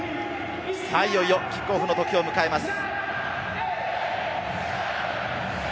いよいよキックオフのときを迎えます。